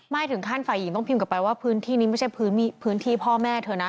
ถึงขั้นฝ่ายหญิงต้องพิมพ์กลับไปว่าพื้นที่นี้ไม่ใช่พื้นที่พ่อแม่เธอนะ